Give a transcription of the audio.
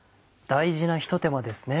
大事なひと手間ですね。